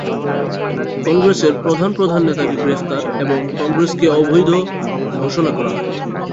কংগ্রেসের প্রধান প্রধান নেতাকে গ্রেফতার এবং কংগ্রেসকে অবৈধ ঘোষণা করা হয়।